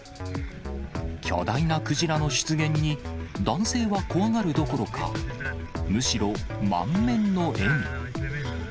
巨大なクジラの出現に、男性は怖がるどころか、むしろ、満面の笑み。